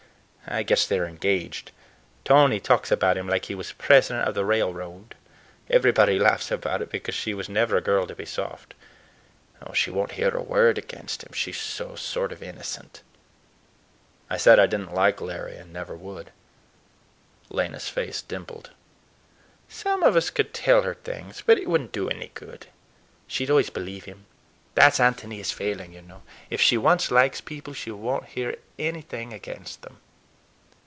I guess they're engaged. Tony talks about him like he was president of the railroad. Everybody laughs about it, because she was never a girl to be soft. She won't hear a word against him. She's so sort of innocent." I said I did n't like Larry, and never would. Lena's face dimpled. "Some of us could tell her things, but it would n't do any good. She'd always believe him. That's Ántonia's failing, you know; if she once likes people, she won't hear anything against them."